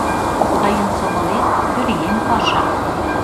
— Тыйын сомылет — пӧръеҥ паша.